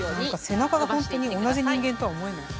背中がほんとに同じ人間とは思えない。